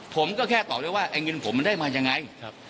ผมก็แค่ตอบได้ว่าไอ้เงินผมมันได้มายังไง